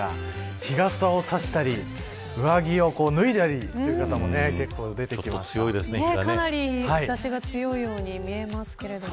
日傘を差したり上着を脱いだりしている方ももうかなり日差しが強いように見えますけれども。